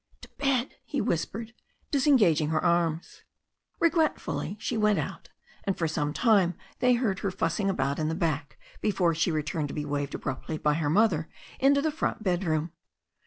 'To bed," he whispered, disengaging her arms. Regretfully she went out, and for some time they heard her fussing about in the back before she returned to be waved abruptly by her mother into the front bedroom.